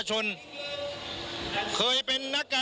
ชูเว็ดตีแสดหน้า